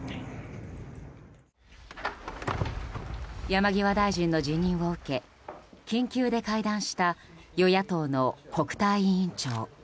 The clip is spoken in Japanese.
山際大臣の辞任を受け緊急で会談した与野党の国対委員長。